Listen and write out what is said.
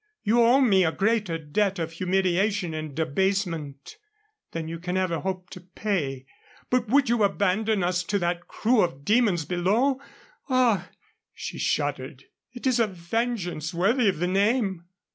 You owe me a greater debt of humiliation and abasement than you can ever hope to pay. But would you abandon us to that crew of demons below! Ah," she shuddered; "it is a vengeance worthy of the name."